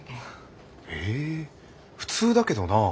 え普通だけどなあ。